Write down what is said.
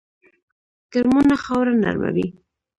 کرمونه خاوره نرموي